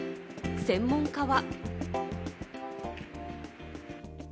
専門家は。